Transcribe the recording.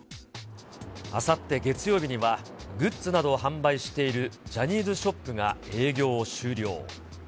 あさって月曜日にはグッズなどを販売しているジャニーズショップが営業を終了。